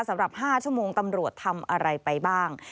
๕ชั่วโมงตำรวจทำอะไรไปบ้าง